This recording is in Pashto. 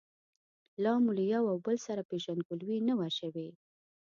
لا مو له یو او بل سره پېژندګلوي نه وه شوې.